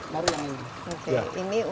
baru yang ini